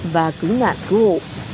và cứu nạn cứu hộ